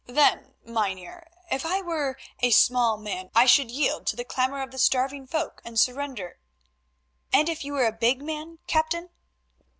"Then, Mynheer, if I were a small man I should yield to the clamour of the starving folk and surrender——" "And if you were a big man, captain?"